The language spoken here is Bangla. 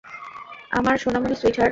আমার সোনামণি, সুইটহার্ট!